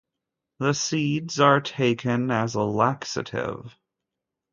The seeds are taken as a laxative.